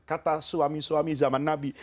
kata suami suami zaman nabi